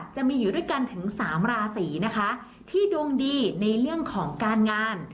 จะมีอยู่ด้วยกันถึงสามราศีนะคะที่ดวงดีในเรื่องของการงาน